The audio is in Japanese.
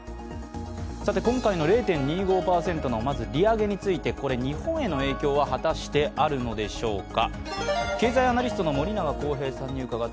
今回の０．２５％の利上げについて日本への影響は果たしてあるのでしょうか。